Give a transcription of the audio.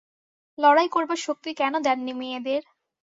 লড়াই করবার শক্তি কেন দেন নি মেয়েদের?